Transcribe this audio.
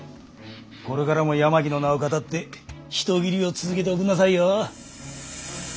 これからも八巻の名をかたって人斬りを続けておくんなさいよ。